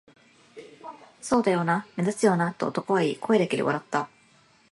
「そうだよな、目立つよな」と男は言い、声だけで笑った